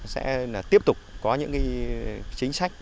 sẽ là tiếp tục có những chính sách